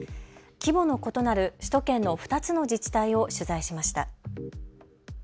規模の異なる異なる首都圏の２つの自治体を取材しました。